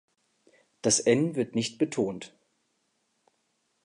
Das „n“ wird nicht betont.